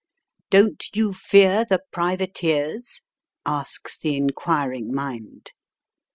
" Don't you fear the privateers ?" asks the inquiring mind.